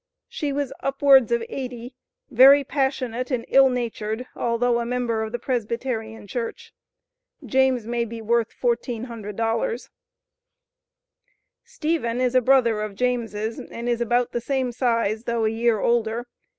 "She was upwards of eighty, very passionate and ill natured, although a member of the Presbyterian Church." James may be worth $1,400. Stephen is a brother of James', and is about the same size, though a year older.